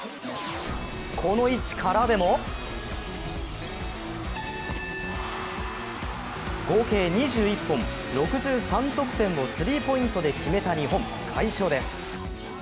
この位置からでも合計２１本、６３得点をスリーポイントで決めた日本、快勝です。